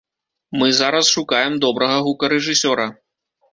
Мы зараз шукаем добрага гукарэжысёра.